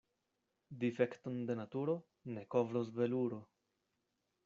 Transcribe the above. Difekton de naturo ne kovros veluro.